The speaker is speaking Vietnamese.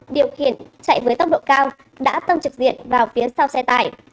điều khiển chạy với tốc độ cao đã tông trực diện vào phía sau xe tải